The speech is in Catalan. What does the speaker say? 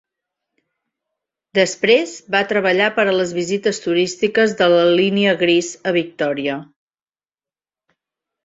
Després, va treballar per a les visites turístiques de la Línia Gris a Victoria.